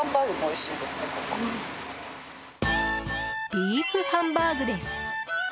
ビーフハンバーグです。